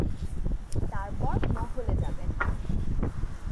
তারপর মহলে যাবেন।